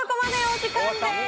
お時間です。